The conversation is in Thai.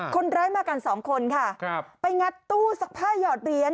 คนร้ายมากันสองคนค่ะไปงัดตู้ซักผ้าหยอดเหรียญ